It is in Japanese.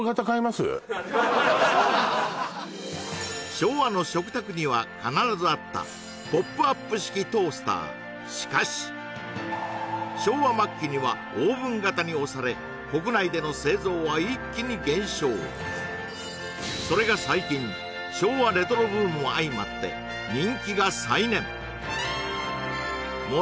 そうには必ずあったしかし昭和末期にはオーブン型に押され国内での製造は一気に減少それが最近昭和レトロブームも相まって人気が再燃